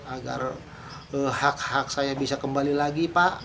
agar hak hak saya bisa kembali lagi pak